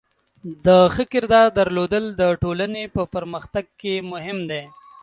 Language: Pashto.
د ښه کردار درلودل د ټولنې په پرمختګ کې مهم دی.